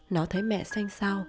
nó thấy mẹ xanh sao